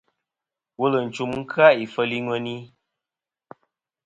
Wul ncum kɨ-a ifel i ŋweni.